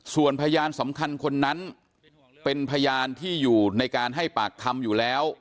ส่วนพยานสำคัญคนนั้นเป็นพยานที่อยู่ในการให้ปากคำอยู่แล้ว